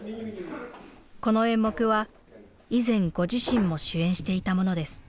この演目は以前ご自身も主演していたものです。